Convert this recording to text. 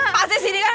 pasti sini kan